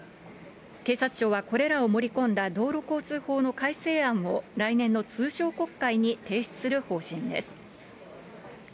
警察庁は、これらを盛り込んだ道路交通法の改正案を、来年の通常国会に提出する方針です。